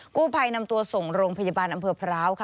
กู้ภัยนำตัวส่งโรงพยาบาลอำเภอพร้าวค่ะ